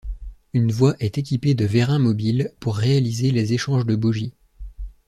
Une voie est équipée de vérins mobiles pour réaliser les échanges de bogies.